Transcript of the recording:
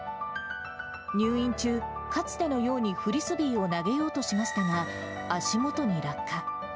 入院中、かつてのようにフリスビーを投げようとしましたが、足元に落下。